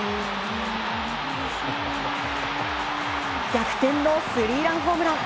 逆転のスリーランホームラン。